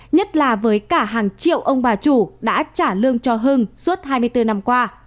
nhất là với cả hàng triệu ông bà chủ đã trả lương cho hưng suốt hai mươi bốn năm qua